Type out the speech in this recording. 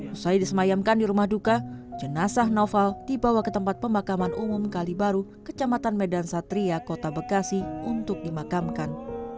usai disemayamkan di rumah duka jenazah noval dibawa ke tempat pemakaman umum kalibaru kecamatan medan satria kota bekasi untuk dimakamkan